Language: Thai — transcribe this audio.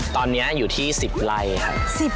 ตอนนี้อยู่ที่๑๐ไร่ครับ